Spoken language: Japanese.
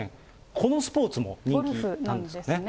このスポーツも人気なんですね。